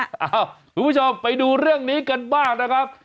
คุณผู้ชมไปดูเรื่องนี้กันบ้างนะครับ